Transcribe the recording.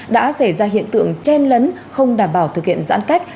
đã xảy ra hiện tượng chen lấn không đảm bảo thực hiện giãn cách